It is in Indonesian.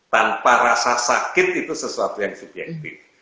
tanpa rasa sakit itu sesuatu yang subjektif